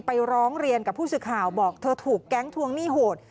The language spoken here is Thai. ร้องเรียนกับผู้สื่อข่าวบอกเธอถูกแก๊งทวงหนี้โหด